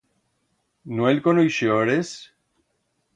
No el conoixiores?